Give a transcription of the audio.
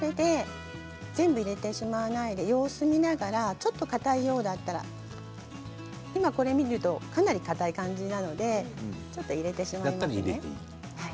全部入れてしまわないで様子を見ながらちょっとかたいようだったら今これを見るとかなりかたい感じなのでちょっと入れてしまいます。